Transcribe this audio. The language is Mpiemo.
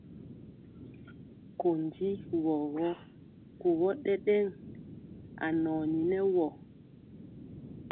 Kondi wɔgɔ, kuwɔ ɗɛɗɛŋ anɔni nɛ wɔ.